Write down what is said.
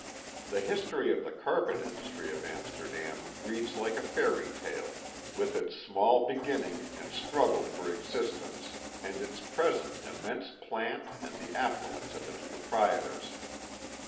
The history of the carpet industry of Amsterdam reads like a fairy tale; with its small beginning and struggle for existence, and its present immense plant and the affluence of its proprietors.